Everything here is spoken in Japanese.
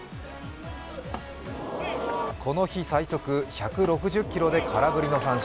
この日最速１６０キロで空振りの三審。